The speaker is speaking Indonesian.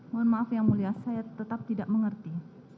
mohon maaf yang mulia saya tetap tidak mengerti